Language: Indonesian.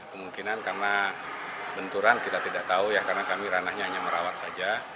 kemungkinan karena benturan kita tidak tahu ya karena kami ranahnya hanya merawat saja